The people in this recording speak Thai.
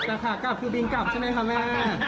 แต่ขากลับคือบินกลับใช่ไหมคะแม่